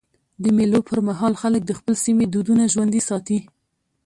د مېلو پر مهال خلک د خپل سیمي دودونه ژوندي ساتي.